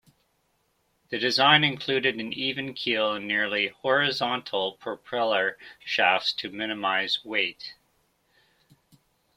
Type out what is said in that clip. The design included an even keel and nearly horizontal propeller shafts to minimize weight.